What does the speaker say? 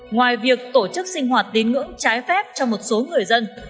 ngoài việc tổ chức sinh hoạt tín ngưỡng trái phép cho một số người dân